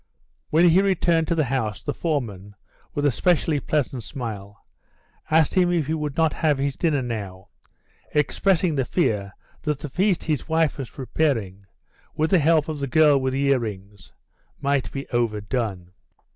When he returned to the house the foreman, with a specially pleasant smile, asked him if he would not have his dinner now, expressing the fear that the feast his wife was preparing, with the help of the girl with the earrings, might be overdone.